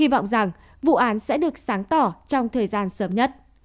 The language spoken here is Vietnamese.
hy vọng rằng vụ án sẽ được sáng tỏ trong thời gian sớm nhất